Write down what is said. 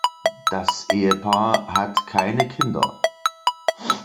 Das Ehepaar hat keine Kinder.